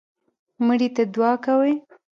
مړي ته دعا کوئ